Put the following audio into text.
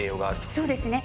そうですね。